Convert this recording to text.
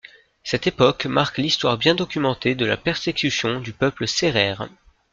Cette époque marque l'histoire bien documentée de la persécution du peuple sérère.